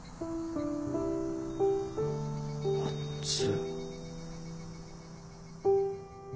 あっつ。